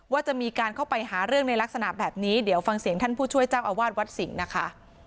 ว่าจะมีการเข้าไปหาเรื่องในลักษณะแบบนี้เดี๋ยวฟังเสียงท่านผู้ช่วยเจ้าอาวาสวัดสิงห์นะคะ